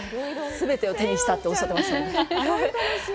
全てを手にしたっておっしゃってましたもんね。